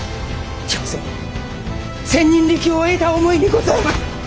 笙船千人力を得た思いにございます。